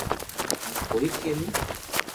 ھون ڪوئي کيلو